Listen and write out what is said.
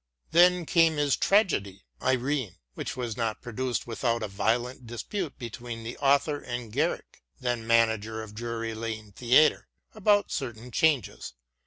Then came his tragedy " Irene," which was not produced without a violent dispute between the author and Garrick, then manager of Drury Lane Theatre, about certain changes.